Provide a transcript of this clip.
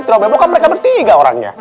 trio bemo kan mereka bertiga orangnya